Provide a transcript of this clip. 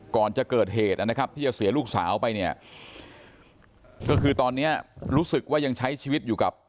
ก่อนจะเกิดเหตุนะครับที่จะเสียลูกสาวไปเนี่ยก็คือตอนนี้รู้สึกว่ายังใช้ชีวิตอยู่กับ